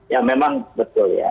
ya memang betul ya